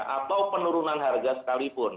atau penurunan harga sekalipun